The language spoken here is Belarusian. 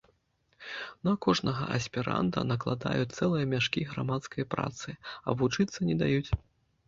На кожнага аспіранта накладаюць цэлыя мяшкі грамадскай працы, а вучыцца не даюць.